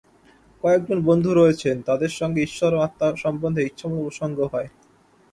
কয়েকজন বন্ধু রয়েছেন, তাঁদের সঙ্গে ঈশ্বর ও আত্মা সম্বন্ধে ইচ্ছামত প্রসঙ্গ হয়।